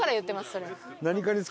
それ。